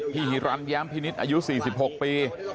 ฮิรันแย้มพินิษฐ์อายุ๔๖ปี